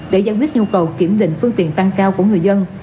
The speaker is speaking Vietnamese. để giải quyết nhu cầu kiểm định phương tiện tăng cao của người dân